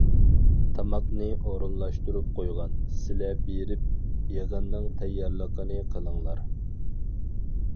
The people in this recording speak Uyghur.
تاماقنى ئورۇنلاشتۇرۇپ قويغان، سىلە بېرىپ يىغىننىڭ تەييارلىقىنى قىلىڭلار.